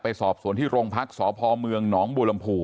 ไปสอบส่วนที่โรงพักษ์สพมหนบ